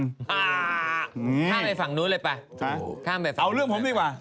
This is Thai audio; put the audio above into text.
อ๋อข้างในฝั่งนู้นเลยป่ะข้างในฝั่งนู้นเลยป่ะเอาเรื่องผมดีกว่า